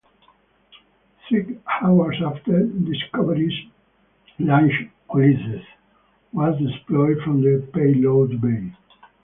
Six hours after "Discovery"'s launch, "Ulysses" was deployed from the payload bay.